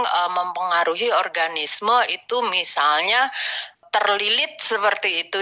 yang mempengaruhi organisme itu misalnya terlilit seperti itu